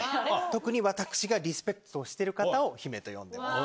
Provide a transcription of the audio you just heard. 特にわたくしがリスペクトしている方を姫と呼んでます。